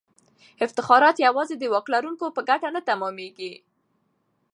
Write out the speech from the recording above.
افتخارات یوازې د واک لرونکو په ګټه نه تمامیږي.